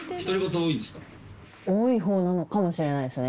多い方なのかもしれないですね。